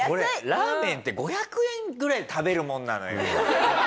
ラーメンって５００円ぐらいで食べるもんなのよ。